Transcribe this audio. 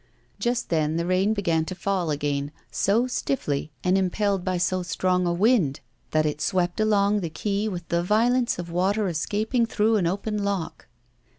Just then the rain began to fall again, so stiffly and impelled by so strong a wind that it swept along the quay with the violence of water escaping through an open lock.